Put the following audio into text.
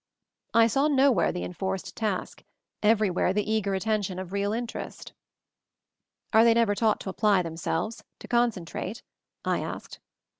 I saw nowhere the enforced task; every where the eager attention of real interest. "Are they never taught to apply them selves? To concentrate?" I asked.